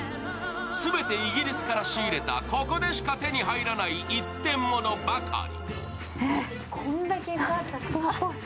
全てイギリスから仕入れた、ここでしか手に入らない一点ものばかり。